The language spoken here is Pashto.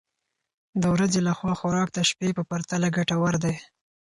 د ورځې لخوا خوراک د شپې په پرتله ګټور دی.